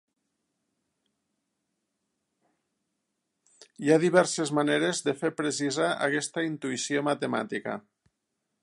Hi ha diverses maneres de fer precisa aquesta intuïció matemàtica.